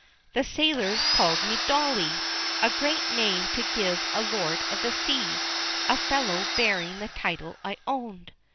The sailors called me "Dolly!" A great name to give a lord of the sea, a fellow bearing the title I owned!